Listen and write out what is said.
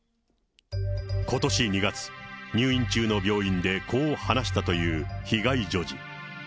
ことし２月、入院中の病院でこう話したという被害女児。